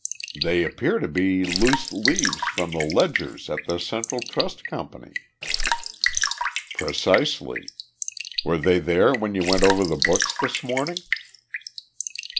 "They appear to be loose leaves from the ledgers at the Central Trust Company." "Precisely. Were they there when you went over the books this morning?"